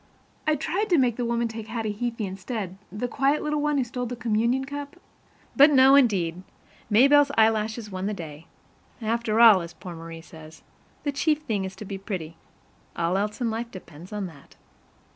I tried to make the woman take Hattie Heaphy instead, the quiet little one who stole the communion cup, but no, indeed! Maybelle's eyelashes won the day. After all, as poor Marie says, the chief thing is to be pretty. All else in life depends on that.